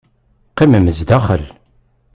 Qqimem zdaxel.